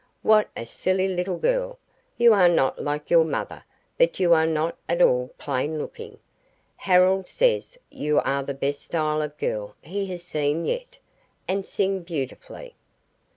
"What a silly little girl! You are not like your mother, but you are not at all plain looking. Harold says you are the best style of girl he has seen yet, and sing beautifully.